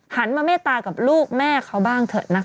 หันมาเมตตากับลูกแม่เขาบ้างเถอะนะคะ